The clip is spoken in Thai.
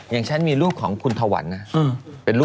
อย่างฉันมีลูกของคุณถวันนะ